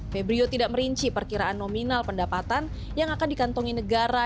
febrio tidak merinci perkiraan nominal pendapatan yang akan dikantongi negara